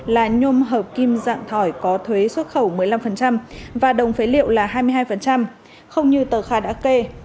là nhôm hợp kim dạng thỏi có thuế xuất khẩu một mươi năm và đồng phế liệu là hai mươi hai không như tờ khai đã kê